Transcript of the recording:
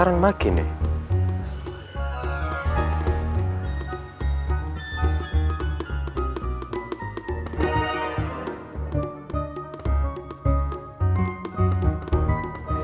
ya aku mau ke rumah gua